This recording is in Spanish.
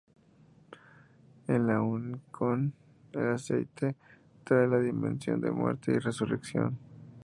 En la unción, el aceite trae la dimensión de muerte y resurrección.